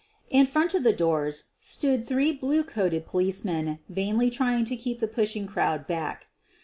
In front of the doors stood three blue coated policemen vainly trying to keep the pushing crowd back.